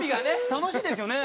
楽しいですよね！